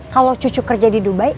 kalau cucu kerja di dubai